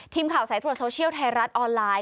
ทีมข่าวสายตรวจโซเชียลไทยรัฐออนไลน์